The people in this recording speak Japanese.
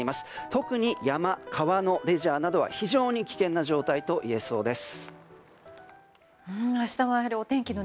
特に山、川のレジャーなどは非常に危険な状態といえそうです。